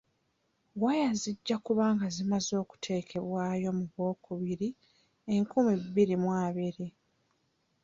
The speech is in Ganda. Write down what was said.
Waya zijja kuba nga zimaze okuteekebwayo mu gwokubiri enkumi bbiri mu abairi.